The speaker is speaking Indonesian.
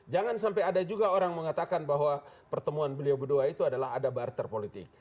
jangan sampai ada juga orang mengatakan bahwa pertemuan beliau berdua itu adalah ada barter politik